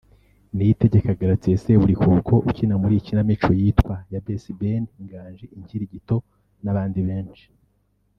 Niyitegeka Gratien (Seburikoko) ukina muri iyi kinamico yitwa Yabesi Ben Nganji (Inkirigito) n'abandi benshi